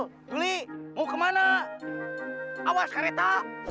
hei juli mau kemana awas kereta